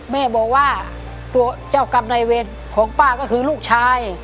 แม่บอกว่าตัวเจ้ากรรมในเวรของป้าก็คือลูกชาย